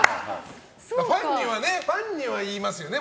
ファンには言いますよね。